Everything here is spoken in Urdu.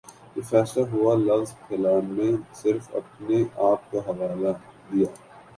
یہ فیصلہ ہوا لفظ پھیلاؤ نے صرف اپنے آپ کا حوالہ دیا